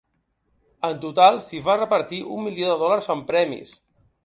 En total, s’hi va repartir un milió de dòlars en premis.